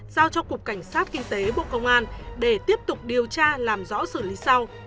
giao cho cục cảnh sát kinh tế bộ công an để tiếp tục điều tra làm rõ xử lý sau